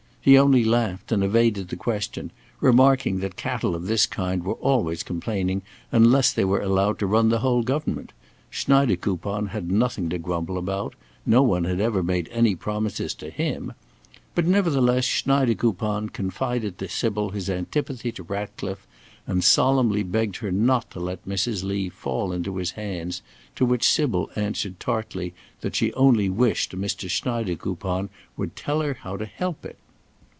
He only laughed and evaded the question, remarking that cattle of this kind were always complaining unless they were allowed to run the whole government; Schneidekoupon had nothing to grumble about; no one had ever made any promises to him. But nevertheless Schneidekoupon confided to Sybil his antipathy to Ratcliffe and solemnly begged her not to let Mrs. Lee fall into his hands, to which Sybil answered tartly that she only wished Mr. Schneidekoupon would tell her how to help it.